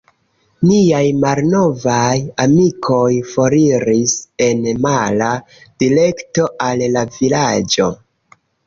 Niaj malnovaj amikoj foriris en mala direkto al la vilaĝo.